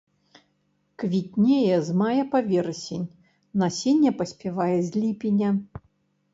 Квітнее з мая па верасень, насенне паспявае з ліпеня.